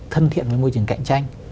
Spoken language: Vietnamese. thân thiện với môi trường cạnh tranh